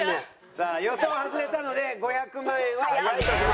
さあ予想外れたので５００万円は獲得ならず。